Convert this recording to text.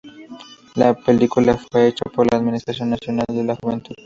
La película fue hecha por la Administración Nacional de la Juventud.